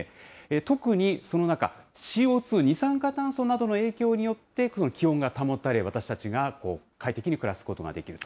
特にその中、ＣＯ２・二酸化炭素などの影響によって、この気温が保たれ、私たちが快適に暮らすことができると。